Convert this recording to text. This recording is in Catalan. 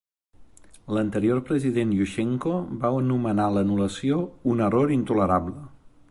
L'anterior president Yushchenko va anomenar l'anul·lació "un error intolerable".